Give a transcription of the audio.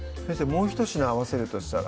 もうひと品合わせるとしたら？